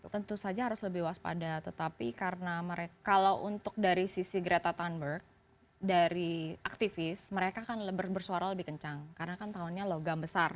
tentu saja harus lebih waspada tetapi karena kalau untuk dari sisi greta tunburg dari aktivis mereka kan bersuara lebih kencang karena kan tahunnya logam besar